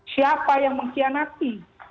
siapa yang mengkhianati